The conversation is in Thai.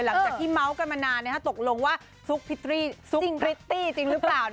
หลังจากที่เมาส์กันมานานตกลงว่าซุกซุกริตตี้จริงหรือเปล่า